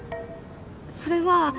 それは。